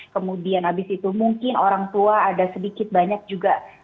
kemudian mungkin orang tua ada sedikit banyak juga